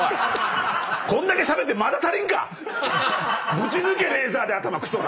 ぶち抜けレーザーで頭！